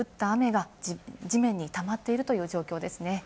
降った雨が地面にたまっているという状況ですね。